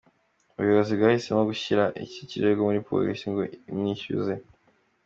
Ubuyobozi bwahisemo gushyira iki kirego muri Polisi ngo imwishyuze”.